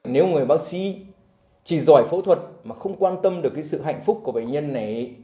nếu người bác sĩ chỉ giỏi phẫu thuật mà không quan tâm được cái sự hạnh phúc của bệnh nhân này